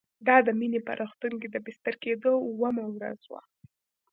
دا د مينې په روغتون کې د بستر کېدو اوومه ورځ وه